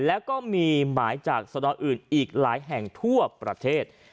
แล้วก็มีหมายจากสะดออื่นอีกหลายแห่งทั่วประเทศ